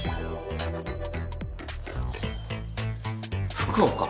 福岡？